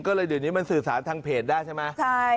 ก็เลยเดี๋ยวนี้มันสื่อสารทางเพจได้ใช่ไหมใช่